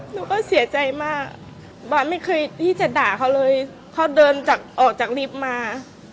หนูก็เสียใจมากบอยไม่เคยที่จะด่าเขาเลยเขาเดินจากออกจากลิฟต์มา